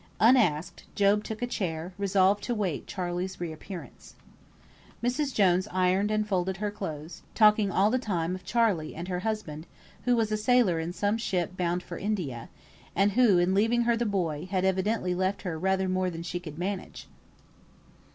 Unasked, Job took a chair, resolved to await Charley's re appearance. Mrs. Jones ironed and folded her clothes, talking all the time of Charley and her husband, who was a sailor in some ship bound for India, and who, in leaving her their boy, had evidently left her rather more than she could manage.